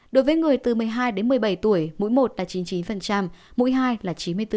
đối với người từ một mươi hai đến một mươi bảy tuổi mũi một là chín mươi chín mũi hai là chín mươi bốn